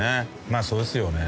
まぁそうですよね